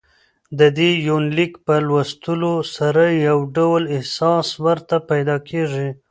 ددې یونلیک په لوستلو سره يو ډول احساس ورته پېدا کېږي